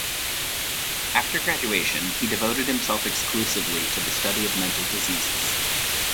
After graduation he devoted himself exclusively to the study of mental diseases.